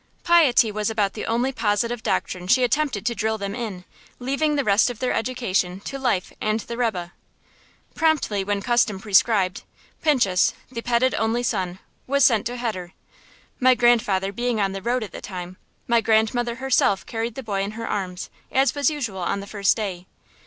Piety was about the only positive doctrine she attempted to drill them in, leaving the rest of their education to life and the rebbe. Promptly when custom prescribed, Pinchus, the petted only son, was sent to heder. My grandfather being on the road at the time, my grandmother herself carried the boy in her arms, as was usual on the first day.